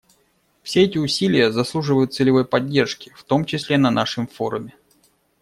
Все эти усилия заслуживают целевой поддержки, в том числе на нашем форуме.